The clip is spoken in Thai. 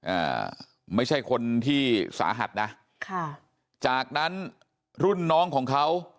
อ่าไม่ใช่คนที่สาหัสนะค่ะจากนั้นรุ่นน้องของเขา